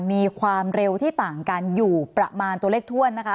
มีความเร็วที่ต่างกันอยู่ประมาณตัวเลขถ้วนนะคะ